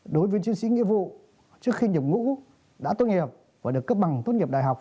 đối với chiến sĩ nghĩa vụ trước khi nhập ngũ đã tốt nghiệp và được cấp bằng tốt nghiệp đại học